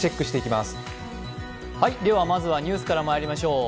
まずはニュースからまいりましょう。